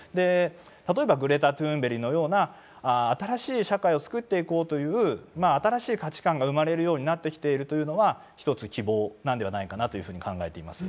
例えばグレタ・トゥーンベリのような新しい社会を作っていこうという新しい価値観が生まれるようになってきているというのは一つ希望なんではないかなというふうに考えています。